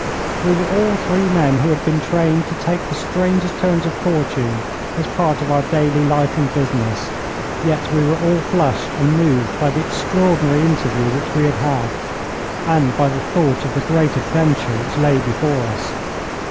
We were all three men who had been trained to take the strangest turns of fortune as part of our daily life and business, yet we were all flushed and moved by the extraordinary interview which we had had, and by the thought of the great adventure which lay before us.